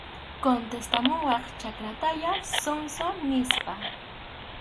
Contestamuwaq chakratayá, zonzo, nispa.